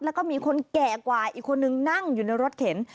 แล้วก็มีคนแก่กว่าอีกคนนึงนั่งอยู่ในรถเข็น